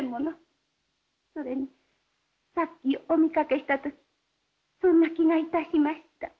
それにさっきお見かけした時そんな気がいたしました。